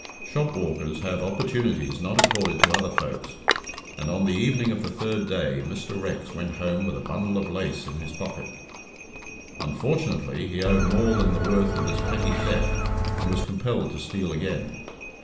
Shop walkers have opportunities not accorded to other folks, and on the evening of the third day Mr. Rex went home with a bundle of lace in his pocket. Unfortunately, he owed more than the worth of this petty theft, and was compelled to steal again.